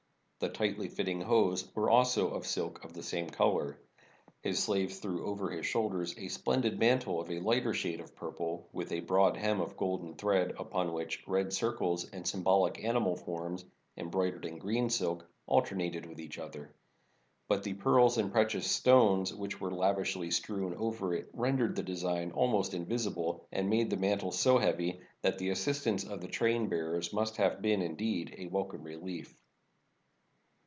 The tightly fitting hose were also of silk of the same color. His slaves threw over his shoulders a splendid mantle of a lighter shade of purple, with a broad hem of golden thread, upon which red circles and symboUc animal forms, embroidered in green silk, alternated with each other. But the pearls and precious stones which were lavishly strewn over it rendered the design almost invisible and made the man tle so heavy that the assistance of the train bearers must have been, indeed, a welcome relief.